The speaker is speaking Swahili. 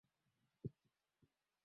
unachukua sehemu kubwa ya eneo la Mkoa